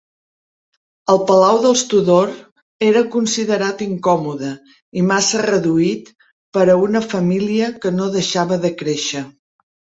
El palau dels Tudor era considerat incòmode i massa reduït per a una família que no deixava de créixer.